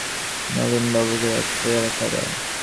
অন্নদাবাবু কহিলেন, মা হেম, নলিনবাবুকে এক পেয়ালা চা দাও।